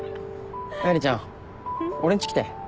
愛梨ちゃん俺んち来て。